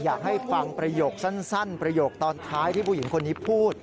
อยากให้ฟังประโยคสั้นประโยคตอนท้ายที่ผู้หญิงคนนี้พูด